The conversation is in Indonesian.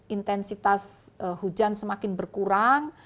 intensitas hujan semakin berkurang